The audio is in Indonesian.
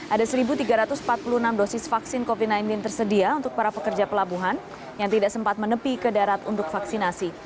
ada satu tiga ratus empat puluh enam dosis vaksin covid sembilan belas tersedia untuk para pekerja pelabuhan yang tidak sempat menepi ke darat untuk vaksinasi